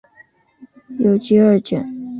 有集二卷。